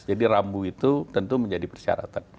jadi rambu itu tentu menjadi persyaratan